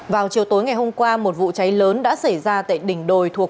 vào chiều tối ngày hôm qua một vụ cháy lớn đã xảy ra tại đỉnh đồi thuộc